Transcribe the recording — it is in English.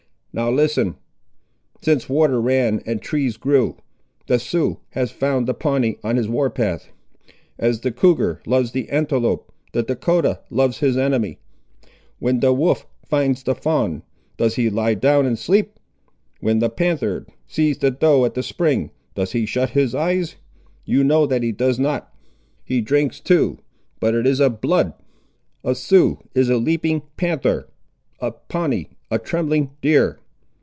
Now listen. Since water ran and trees grew, the Sioux has found the Pawnee on his war path. As the cougar loves the antelope, the Dahcotah loves his enemy. When the wolf finds the fawn, does he lie down and sleep? When the panther sees the doe at the spring, does he shut his eyes? You know that he does not. He drinks too; but it is of blood! A Sioux is a leaping panther, a Pawnee a trembling deer.